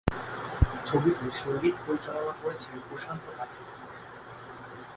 ছবিটির সঙ্গীত পরিচালনা করেছেন প্রশান্ত পাঢি।